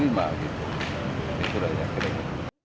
itu dah yang kering